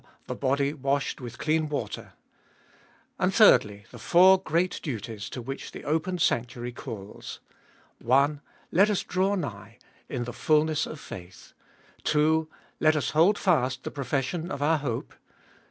The Body washed with Clean Water. III. The four great Duties to which the opened Sanctuary calls : 1. Let us draw nigh (in the fulness vlfaitK). 2. Let us hold fast the profession of our hope.